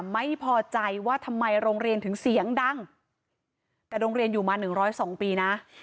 ไม่พอใจว่าทำไมโรงเรียนถึงเสียงดังแต่โรงเรียนอยู่มาหนึ่งร้อยสองปีนะ